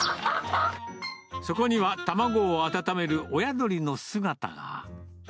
そこには卵を温める親鳥の姿が。